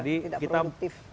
dan tidak produktif